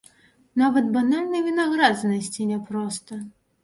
Нават банальны вінаград знайсці няпроста.